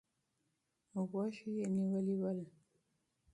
وږي یې نیولي ول.